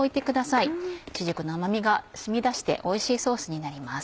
いちじくの甘味が染み出しておいしいソースになります。